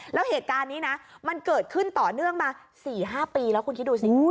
แล้วเหตุการณ์นี้นะมันเกิดขึ้นต่อเนื่องมา๔๕ปีแล้วคุณคิดดูสิ